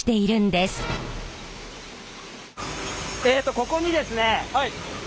えっとここにですね